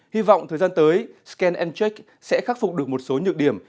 hy vọng thời gian tới scan check sẽ khắc phục được một số nhược điểm